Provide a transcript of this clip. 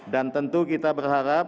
dan tentu kita berharap